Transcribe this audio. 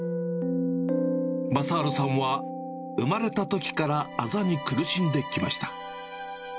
雅治さんは生まれたときからあざに苦しんできました。